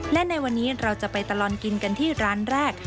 และในวันนี้เราจะไปตลอดกินกันที่ร้านแรก